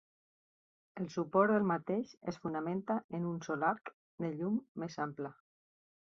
El suport del mateix es fonamenta en un sol arc de llum més ampla.